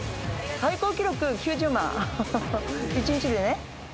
最高記録９０万、１日でね。